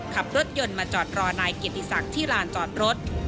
ขับรถยนต์มาจอดรอนายเกียรติศักดิ์ที่ลานจอดรถ